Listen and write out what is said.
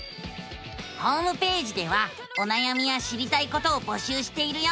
ホームページではおなやみや知りたいことを募集しているよ！